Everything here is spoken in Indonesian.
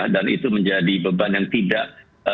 dan itu menjadi beban yang tidak